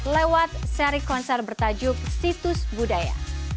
lewat seri konser bertajuk situs budaya